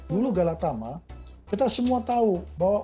dulu galatama kita semua tahu bahwa